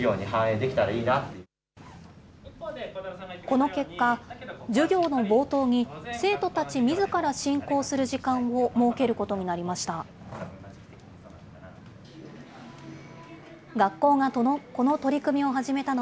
この結果、授業の冒頭に生徒たちみずから進行する時間を設けることになりました。